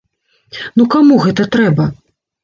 Ну каму гэта трэба?